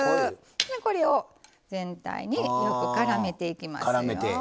これを全体にからめていきます。